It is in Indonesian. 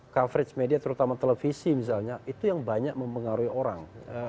coverage media terutama televisi misalnya itu yang banyak mempengaruhi orang